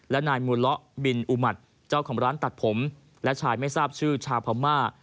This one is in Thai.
และนายมูเลาะบินอุมัติเจ้าของร้านตัดผมและชายไม่ทราบชื่อชาวพม่า